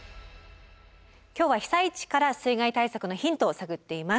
今日は被災地から水害対策のヒントを探っています。